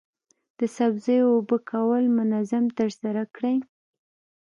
د سبزیو اوبه کول منظم ترسره کړئ.